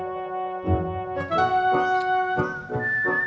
lama lama juga acil pasti tau